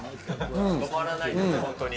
止まらないですね、本当に。